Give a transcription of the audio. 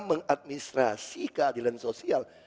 mengadministrasi keadilan sosial